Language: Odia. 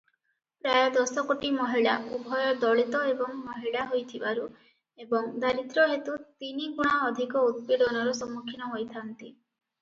ପ୍ରାୟ ଦଶ କୋଟି ମହିଳା ଉଭୟ ଦଳିତ ଏବଂ ମହିଳା ହୋଇଥିବାରୁ ଏବଂ ଦାରିଦ୍ର୍ୟ ହେତୁ ତିନି ଗୁଣା ଅଧିକ ଉତ୍ପୀଡ଼ନର ସମ୍ମୁଖୀନ ହୋଇଥାନ୍ତି ।